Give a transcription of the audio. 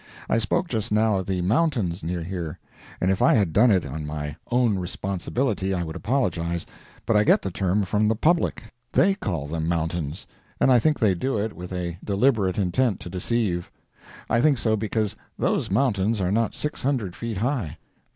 I spoke just now of the mountains near here, and if I had done it on my own responsibility I would apologize—but I get the term from the public—they call them mountains, and I think they do it with a deliberate intent to deceive. I think so because those mountains are not six hundred feet high.